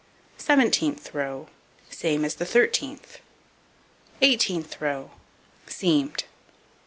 Seventeenth row: Same as the 13th. Eighteenth row: Seamed.